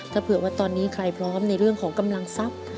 ถ้าเผื่อว่าตอนนี้ใครพร้อมในเรื่องของกำลังทรัพย์